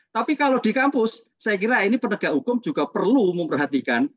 tapi kalau di kampus saya kira ini penegak hukum juga perlu memperhatikan